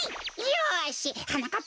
よしはなかっ